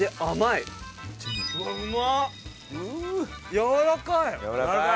やわらかい！